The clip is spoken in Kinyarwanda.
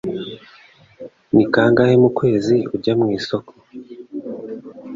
Ni kangahe mu kwezi ujya mu isoko?